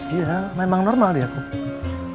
iya memang normal ya tupa